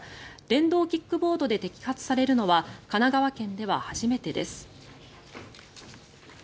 電動キックボードで摘発されるのは神奈川県では初めてです。